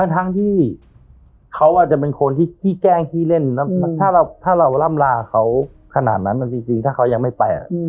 ทั้งที่เขาอาจจะเป็นคนที่ขี้แกล้งขี้เล่นแล้วถ้าเราร่ำลาเขาขนาดนั้นจริงถ้าเขายังไม่ไป